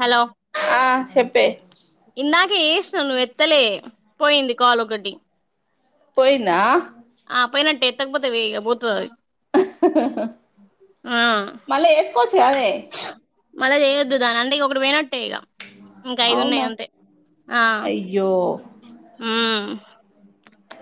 Hello ఆ చెప్పే ఇందాకే చేసిన నువ్వు ఎత్తలే పోయింది కాల్ ఒకటి పోయిందా ఆ పోయినట్టే ఏతక్కపోతే ఇగ పోతది ఆది మళ్ళ చేసుకోవచ్చు కాదే మళ్ళ చేయద్దు దాని అంటే ఇగ ఒకటి పోయినా నట్టే ఇగ ఇంక ఐదు ఉన్నయి అవునా అంతే ఆ అయ్యో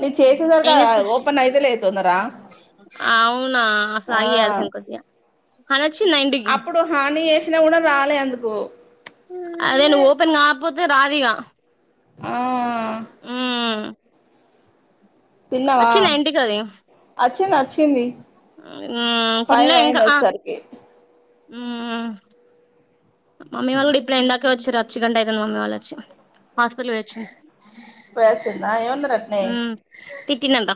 నేను చేసేసరికే ఏం చేత్త ఓపెన్ అయితలేదు తొందరా అవునా అసలు ఆగి చేయాల్సింది కొద్దిగా అనొచ్చిందా ఇంటికి అప్పుడు హాని చేసినా కూడా రాలే ఎందుకో అదే నువ్వు ఓపెన్ కాకపోతే రాదిగ ఆ తిన్నవా వచ్చిందా ఇంటికి అది అచ్చి చ్చింది అచ్చింది ఉమ్ ఫైవ్ తినలే ఇంకా అయ్యింది ఆ వచ్చేసరికి ఉమ్ మమ్మీ వాళ్ళు కూడా ఇప్పుడు ఇందాకే వచ్చిర్రు అచ్చి గంట అయితుంది మమ్మీ వాళ్ళు వచ్చి హాస్పిటల్కి పొయ్యి వచ్చిళ్ళు పోయ్ వచ్చిందా ఏం అన్నరటనే ట్టిందంట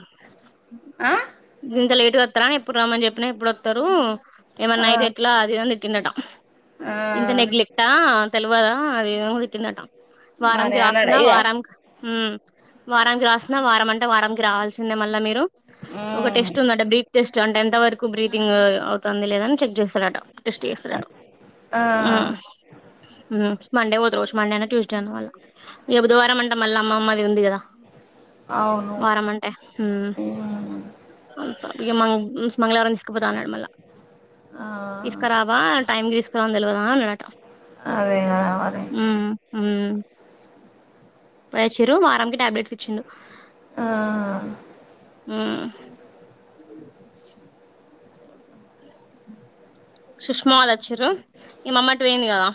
ఇంత లేట్గా వత్తారా ఎప్పుడ రమ్మని చెప్పిన ఎప్పుడు వత్తరు ఏమన్నా ఆ అయితే ఎట్లా అదిదని తిట్టిండట ఆ ఇంత నెగ్లెక్టా తెలు కదా అది కూడా తిట్టిండంట మరి వారానికి అన్నాడా రాస్తున్న ఇగ వారా ఉమ్ వారానికి రాస్తున్న వారం అంటే వారానికి రావాల్సిందే మళ్ళ మీరు ఒక ఉమ్ టెస్ట్ ఉందంట బీపీ టెస్ట్ అంటే ఎంత వరకు బ్రీతింగ్ అవుతుంది లేదని చెక్ చేస్తరట టెస్ట్ చేస్తరట ఆ ఉమ్ ఉ మండే పోతరు కావచ్చు మండేనో ట్యూస్డేనో మళ్ళ ఇగ బుధవారం అంటే మల్ల అమ్మమ్మ ది ఉంది కదా అవును వారం అంటే ఉమ్ ఉమ్ అంత ఇక మంగ్ మంగళవారం తీసుకుపోతా అన్నడు మళ్ళా ఆ తీసుకురావా టైంకు తీసుకు రావాలని తెల్వదా అన్నడట అదే కదా మరి ఉమ్ ఉమ్ పొయ్యోచ్చిరు వారానికి టాబ్లెట్స్ ఇచ్చిండు ఆ ఉమ్ సుష్మ వాళ్ళు వచ్చిర్రు ఇగ మమ్మీ అటు పోయింది కదా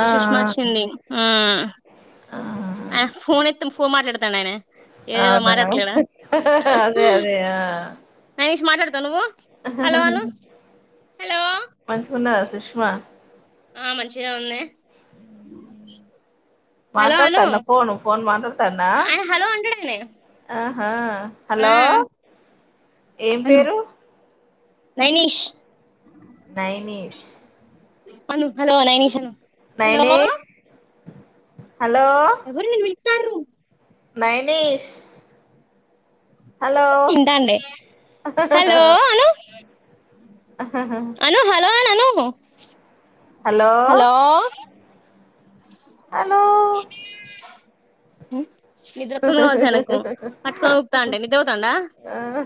ఆ ఇగ సుష్మ వచ్చింది ఆ ఉమ్ ఆ! ఆ ఫోన్ ఎత్తం ఫోన్ మాట్లాడుతాండు అయినే అవునా అదే అదే ఆ నైష్ మాట్లాడతావా నువ్వు హలో అను హలో మంచిగున్నదా సుష్మా ఆ మంచిగా ఉంది హలో అను మాట్లాడుతాండా ఫోను ఫోన్ మాట్లాడతాండా ఆయన హలో అంటాడు ఆయనే ఆ హ ఆ హలో ఏం పేరు నైనిష్ నైనిష్ అను హలో నైనిష్ అను హలో నైనిష్ హలో ఎవరు నిన్ను పిలుత్తార్రు నైనిష్ ఇంటాండే హలో అను అను హలో అను అను హలో ఆలో నిద్ర అతుంది కావచ్చునకు పట్టుకొని ఊపుతా అంటే నిద పోతండా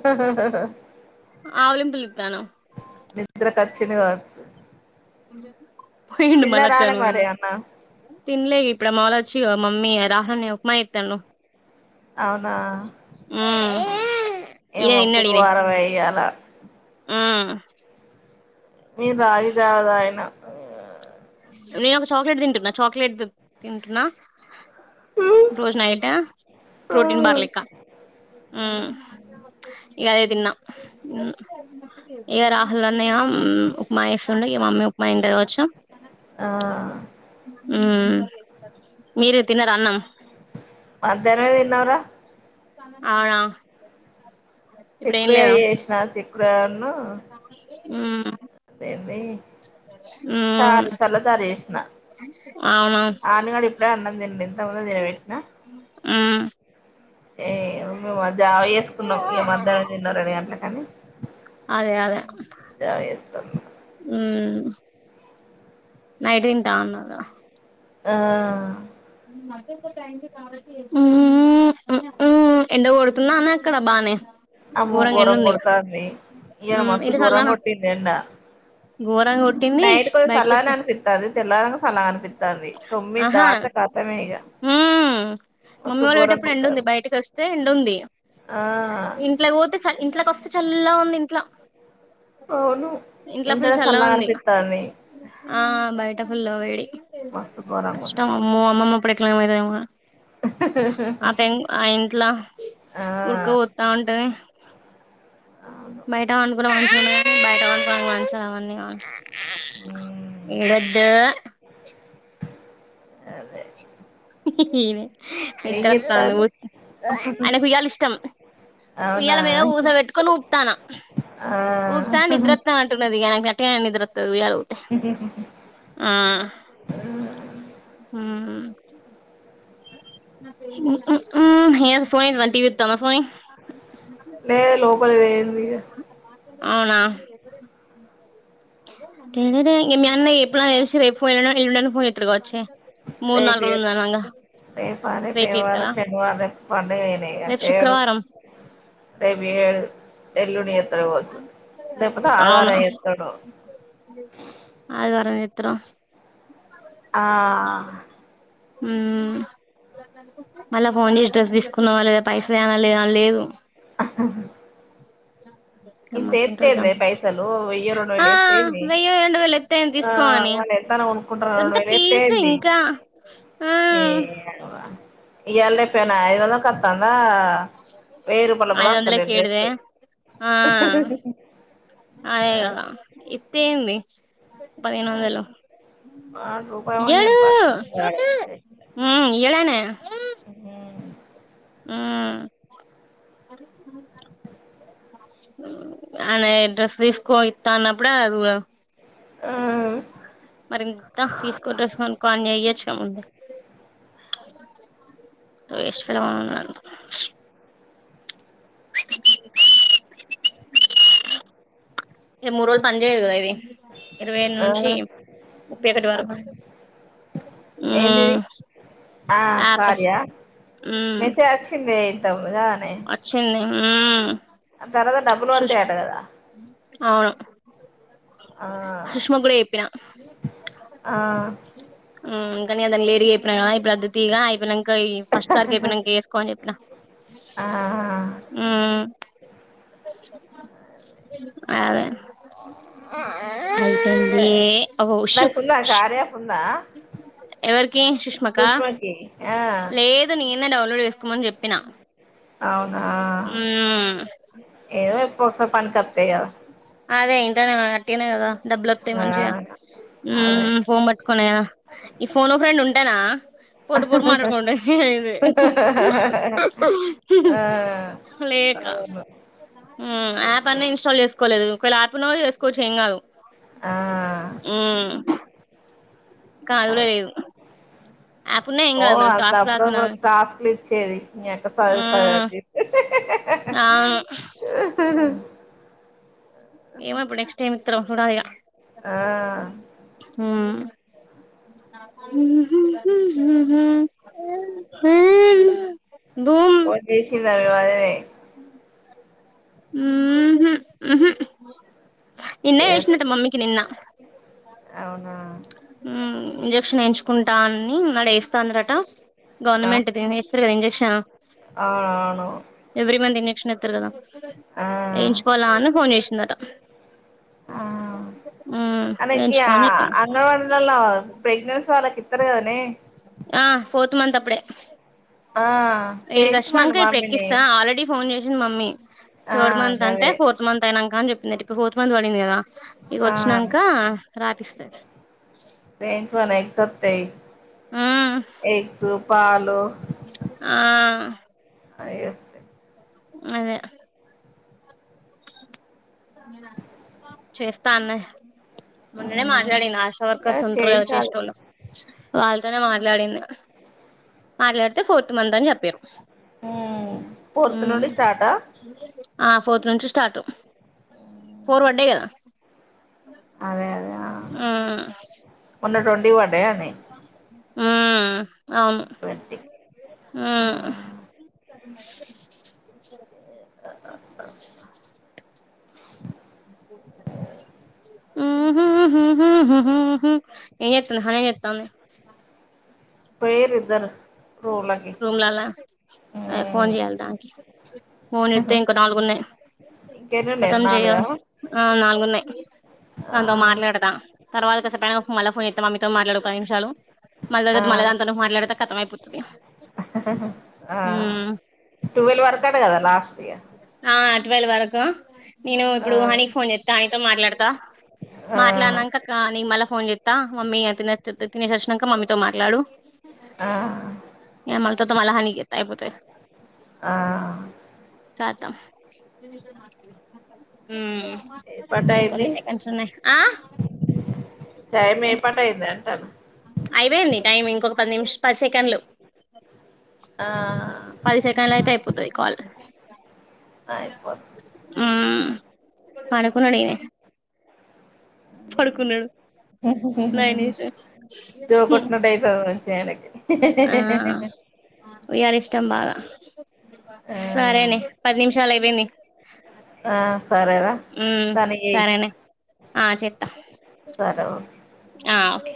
హ ఆవలంపుులితాన నిద్ర కాచ్చనివచ్చు సజ పోయిడు మళ్ళా తను పోయి మరి అన్నం తినలే ఇప్పుడు మామలు వచ్చి మమ్మీ రాహని మా ఎతను అవునా ఆ ఏమో గురువారం వయ్యాల ఆ నను బగి చదా ఆయన నేను ఒక చాక్లెట్ తింటున్నా చాక్లెట్ తింటున్నా రోజ నైట్ రోటీన్ బర్లేక్క ఉ ఇ అదేదిిన్నా ఇక రాహుల్ అన్నయ ఉప్మా ఇస్తుండే ఇక మమ్మీ ఉప్మా ఉంటే కావచ్చు ఆ మీరే తిినరు అన్నం మధ్యాహ్ం తిన్నవరా అవునా ఇప్పుడు ఏం చెక్కుడుగా లేదా చేేసిన చెక్కుడున్న ఆ అదేన్నీ చాల ఉమ్ చాల తరేష్ణ అవును ఆనగా ఇప్పుడే అన్నాం తిండి ఇంతముంద తినబెట్టిన ఉమ్ ఏ మేము జా వసుకున్నాం ఇక మధ్యాహ్నం తిన్న రెండు గంటలకని రాల జావ చేసుకున్నాం నైడింటా ఉన్నాద ఆ ఉమ్మ్ ఉమ్మ్మ్ ఎండ కొడుతున్నా అన్న అక్కడ బాగానే అమ్మో గరం కొడతన్నీ ఈ ఉమ్ మాస ఇటు గుోరం చల్లనా కొటిందంట ఘోరంగా కొట్టింది నైట్ కొంచం బయటకి సల్ అ వచ్చా అనిపితా అది తెల్లారంగా సల్ అనిపిించా పంది తొమ్మిది ఆహా దాట కతమే ఇక ఉమ్ మమ్మీ వసు వాళ్ళు పోయేటప్పుడు ఎండ ఉంది గోరంతారు బయటకి వస్తే ఎండ ఉంది ఆ ఇంట్లో పోతే ఇంట్లోకి వస్తే చల్ల ఉంది ఇంట్లో అవును ఇంట్లో ఫుల్ ఇంట్లనే చల్ాలా సల్లగా ఉంది అనిపిత్తాంది ఆ బయట ుల్ల వడి మస్తు ఘోరంగా కష్టం ఉంది అమ్ అమ్మమ్మ పడుకుల మదా ఆ పెం ఆ ఇంట్లో ఆ ఉడకపోస్తా ఉంటది అవును బయట అనుకో మంచిం బయట అనుకో మంచి అవన్నీ మ్మ్ గద్దు అదే ఏం నిత్రా చేత్తాండు అన కుాల ఇష్టం అవునా ఇల మద ఊస వెట్టుకొని ఊపుతాన ఆ ఊతా నిద్రతా అంటున్నదికు నట్ట నిద్రగుతే ఆ హ ఏ ఫోనీ టీవ ఇతా ఫోనీ న లోలి వేందిగా అవునా తె మ ఎప్పు ఎప్పుళ్ ఎమో ఇప్పుడు వచ్చి మూడు నాలగురోజులు ఉందనంగా లేపా రేపు తేవాలె చేత్తడా శనివారం పండుగనేే ఇగా రేపు శుక్రవారం రేపు ఇయ్యడు ఎల్లుడి ఎస్తరు గావొచ్చు లేకపోతే ఆదివారం ఎస్తడో అదివారం ఎత్రం ఆ మ్ మళ్ళా ఫోన్ చేసి డ్రస్ తీసుకున్నా లేదా పైసా ఏయాల్నా అని లేదు [inaudible] [unintelligible] ఇంత గమ్మత్తుంటాడు ఎతేందే గమ్మత్ పైసలు వేయొ ఆ రెండూవేలు ఎస్తే ఏంది వెయ్యో రెండు వేలు ఎత్తయింది అ తీసుకో అని వాళ్ళు ఎంతనో కొనుకుంటారు గంత గదా ఎస్తే పీస్ ఏంది ఇంకా ఆ నీ అవ్వ ఇయ్యాలనే పెళ్ళా ఐదు వందాలకి కోస్తుందా ఐదు వందలకి ఎటిదే అ ఆ అదేగదా ఇస్తఏంది పదిహేనువోందలు వాడు రూపాయి వాడిని ఇయ్యాడు వాడే ఇయ్యాడు ఆయన ఉహు ఆ ఆయన డ్రెస్ తీసుకో ఇస్తా అన్నప్పుడే ఆ మరి ఇస్తా తీసుకో డ్రెస్ కొనుకొఅని ఈయొచ్చుగా ముందే వెస్ట్ ఫల్ గా ఉన్న [unintelligible] ఇ మూడు రోజులు పనిచేయవు గదా ఇవి ఇరవై ఆ నుంచి ముప్పై ఒకటి ఆ వరకు ఉ ఏంటిది ఆ కార్య మ్మ్ మెసేజ్ వచ్చింది ఇంతక ముందుగానే మ్ అ తర్వాత డబ్బుల్ పర్తయంట గదా అవును సుష్మ గూడ చేప్పిన ఆ మ్ ఇంకా దానికి లేటుగా చెప్పిన ఇప్పుడు వద్దుతిగా అయిపోయినాక ఫస్ట్ తారికి అయిపోయినాక ఎసుకో అని చెప్పిన ఆ మ్ అదే అయిపోయినదే ఓహోషు దానికుందా కార్యయాప్ ఉందా ఎవరికి సుష్మకా సుష్మాకి ఆ లేదు నేనే డౌన్లోడ్ చేసుకోమని చెప్పినా అవునా ఏదో ఎప్పడికో పని కోస్తాయి గదా అదే ఇంటనే ఒట్టినే గదా డబ్బులు వస్తతాయి మంచిగా ఆ అదే మ్ ఫోన్ పట్టుకునే గదా ఈ ఫోన్ ఫర్డ్ ఉంటేనా పొట్టు పొట్టు మాట్లాడు తుండే ఇది అలెవరనో మ్ యాప్ అన్న ఇన్స్టాల్ చేస్కో కోలేదు ఒకవేళ అయిపోయిన కూడా చే సుకోవచ్చు ఏం కాదు ఆ కాల్ అదే లేవు ఓ అదిప్పుడు మనకు టాస్క్లు ఇచ్చేది మీ అక్క సదు స్గ ఉమ్ అవును [inaudible] ఏమె ఇప్పుడు నెక్స్ట్ ఎం ఇస్తాడో చుడాలిగా ఆ హు హ ద పోన్ చేసింద్ [unintelligible] వాళ్ళనే ఉహూ ఉహు నిన్నే చేయలే చేసిందట మమ్మికి నిన్న అవునా ఉ ఇంజక్షన్ ఎయించుకుంటా అని [unintelligible] తన్నారట ఆ గవర్నమెంట్ ది ఏస్తారు కదా ఇంజెక్షన్ అవునవును ఎవ్రీ మంత్ ఇంజక్షన్ ఎత్తారు కదా ఆ వేయించుకోవాలా అని ఫోన్ చేసిందట అ మ్మ్ తనకి వేయించుకో అని చెప్పిన అంగన్వాడీలలో ప్రెగ్నెన్సీ వాళ్ళకి ఇత్తరు కదా నే ఆ ఫోర్త్ మంత్ అప్పుడే ఆ ఈడికి చేయించమను వచ్చినంక ఇప్పుడు మమ్మీని ఎక్కిస్తా ఆల్రెడీ ఫోన్ చేసి మమ్మీ ఆ థర్డ్ మంత్ అంటే గదే ఫోర్త్ మంత్ అయినంక అని చెప్పింది ఇప్పుడు ఫోర్త్ మంత్ పడింది కదా ఇగ ఆ వచ్చినంకా రాపిస్తాది [unintelligible] ఎగ్స్ వస్తాయి మ్మ్ ఎగ్స్ పాలు ఆ అవి వస్తాయి అదే చేస్తాన్న మోన్ననే హ్మ్ మాట్లాడినా ఆశా ఏ వర్కర్స్ ఉంటారు కదా చేయించాలి చేసేటోళ్ళు వాళ్ళ ఒత్తనే మాట్లాడినా మాట్లాడి తే ఫోర్త్ మంత్ అని చెప్పిర్రు మ్మ్ ఫోర్త్ నుండి స్టార్టా ఊ ఆ ఫోర్త్ నుంచి స్టార్ట్ ఫోర్ పడ్డాయి కదా అదే అదే ఆ మొన్న ట్వంటీకి పడ్డాయ అని ఆ అవును ఆ [inaudible] ఆ ఏ చెత్తాన్నావ్ హనీ ఏ చెత్తంది పోయిర్రు ఇద్దరు రూమ్లకి రూమ్లల్లా అ ఫోన్ చేయాల మ్మ్ దానికి పోన్ చెత్తే ఇంకా నాలుగు ఉన్నాయి ఇంకెన్నున్నయి కొతం చేయ్ నాలుగా ఆ నాలుగున్నాయి ఆ దాంతో మాట్లాడతా తర్వాత [unintelligible] మళ్ళా ఫోన్ చెత్త మమ్మీ తో మాట్లాడు పది నిమిషాలు మల్లా చే ఆ [unintelligible] మాట్లాడితే కతం అయిపోతది ఆ మ్మ్ టువల్ వరకు అంటా కదా లాస్ట్ ఇగ ఆ టువల్ వరకు నేను ఇప్పుడు హనీకి ఫోన్ చెస్తా హనీతో మాట్లాడతా ఆ ఆ మాట్లాడినంక నీ మళ్ళ ఫోన్ చెత్త [unintelligible] తిన తినేసి వచ్చినంక మమ్మీతో మాట్లాడు ఆ [unintelligible] మళ్ళా హానికి చెత్త ఆ తాత ఊ ఏ పాట అయింది ఇంకొన్ని సెకండ్స్ ఉన్నాయి టైం ఏ ఏంటి పాటు అయింది అంటన్న అయిపోయింది టైమ్ ఇంకొక పది నిమిష పది సెకండ్లు ఆ పది సెకండ్ లు అయితే అయిపోతాయి కాల్ అయిపో పనుకున్న ఇగ పడుకున్నాడు మేనేజర్ జో హుమ్ కొట్టినట్టు అయితది మంచిగా ఆయనకి ఆ వుయారి ఇష్టం బాగా ఆ సరేనే పది నిమిషాలు అయిపోయింది ఆ సరేరా మ్మ్ తనకియ్ సరేనే ఆ చెేత్తా ఆ ఒకే